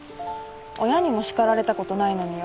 親にも叱られたことないのによ。